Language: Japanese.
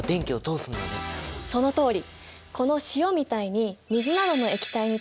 そのとおり！